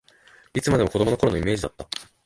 いつまでも子どもの頃のイメージだった